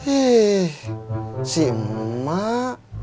ih si emak